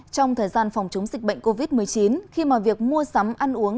trong thời gian phòng chống dịch bệnh covid một mươi chín khi mà việc mua sắm ăn uống